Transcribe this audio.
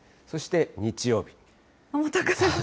そして日曜日。